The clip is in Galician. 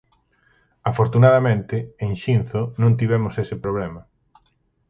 Afortunadamente, en Xinzo non tivemos ese problema.